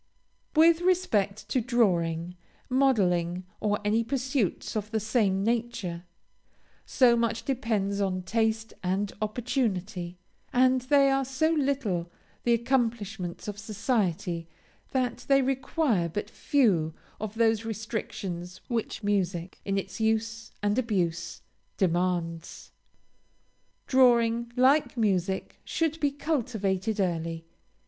With respect to drawing, modeling, or any pursuits of the same nature, so much depends on taste and opportunity, and they are so little the accomplishments of society that they require but few of those restrictions which music, in its use and abuse, demands. Drawing, like music, should be cultivated early.